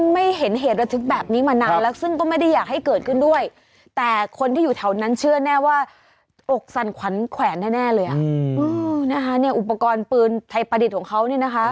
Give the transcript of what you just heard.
ไม่เห็นเหตุว่าถึงแบบนี้มานานแล้วซึ่งก็ไม่ได้อยากให้เกิดขึ้นด้วยแต่คนที่อยู่แถวนั้นเชื่อแน่ว่า